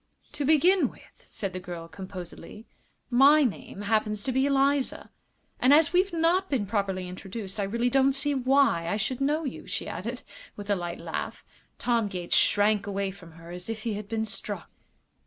"To begin with," said the girl, composedly, "my name happens to be Eliza. And as we've not been properly introduced I really don't see why I should know you," she added, with a light laugh. Tom Gates shrank away from her as if he had been struck.